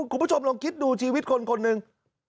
คุณผู้ชมลองคิดดูชีวิตคนคนหนึ่ง